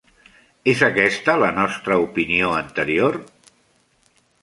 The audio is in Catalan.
És aquesta la nostra opinió anterior?